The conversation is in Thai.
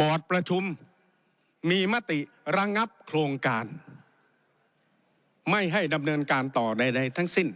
อร์ดประชุมมีมติระงับโครงการไม่ให้ดำเนินการต่อใดทั้งสิ้น